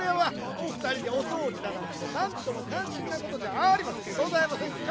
おふたりでおそうじだなんてなんともかんしんなことじゃありませんでございませんか！